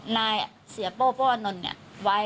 นายเสียโภบบัวนนท์ไง